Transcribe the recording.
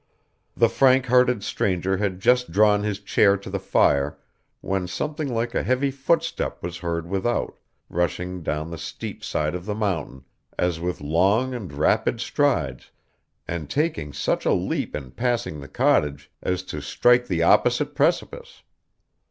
The frank hearted stranger had just drawn his chair to the fire when something like a heavy footstep was heard without, rushing down the steep side of the mountain, as with long and rapid strides, and taking such a leap in passing the cottage as to strike the opposite precipice.